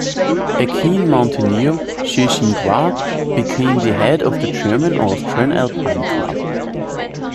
A keen mountaineer, Seyss-Inquart became the head of the German-Austrian Alpine Club.